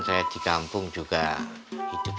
saya di kampung juga hidup